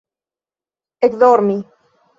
ekdormi